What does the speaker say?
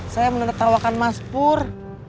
saya menertawakan mas pur